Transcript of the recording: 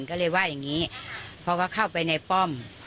ก็เลยว่าอย่างนี้พอก็เข้าไปในป้อม